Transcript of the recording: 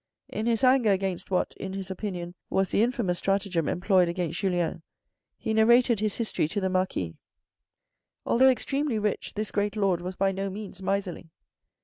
In his anger against what, in his opinion, was the infamous stratagem employed against Julien, he narrated his history to the Marquis. Although extremely rich, this great lord was by no means miserly.